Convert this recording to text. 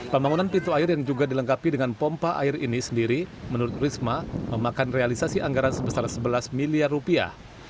pembangunan pintu air yang juga dilengkapi dengan pompa air ini sendiri menurut risma memakan realisasi anggaran sebesar sebelas miliar rupiah